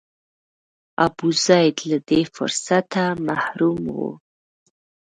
ابوزید له دې فرصته محروم و.